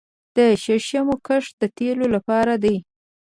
د شرشمو کښت د تیلو لپاره دی